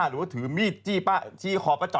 เพราะว่าตอนนี้ก็ไม่มีใครไปข่มครูฆ่า